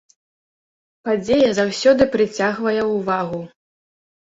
Падзея заўсёды прыцягвае ўвагу.